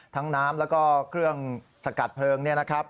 ทั้งน้ำแล้วก็เครื่องสกัดเพลิง